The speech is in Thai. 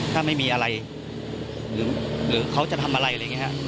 ถ้าไม่มีอะไรหรือเขาจะทำอะไรอะไรอย่างนี้ครับ